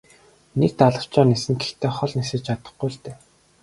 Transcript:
Нэг далавчаар ниснэ гэхдээ хол нисэж чадахгүй л дээ.